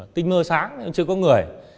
tình mơ sáng nhưng chưa có người